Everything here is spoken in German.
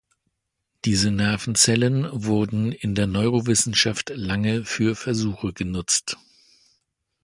Diese Nervenzellen wurden in der Neurowissenschaft lange für Versuche genutzt.